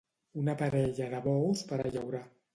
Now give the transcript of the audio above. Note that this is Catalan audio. Una parella de bous per a llaurar.